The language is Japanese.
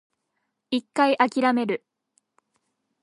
一回諦める